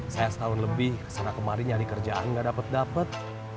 saya setahun lebih kesana kemarin nyari kerjaan gak dapet dapet